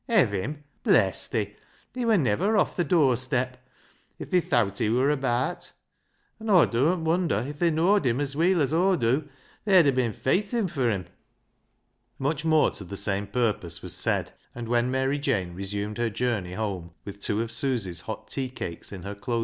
" Hev him ? Bless thi, they wur niver off th' dur step, if they thowt he wur abaat. An' Aw' durn't wonder, if they know'd him as weel as Aw dew, they'd ha' bin feightin' fur him." Much more to the same purpose was said, and when Mary Jane resumed her journey home, with two of Susy's hot tea cakes in her clothes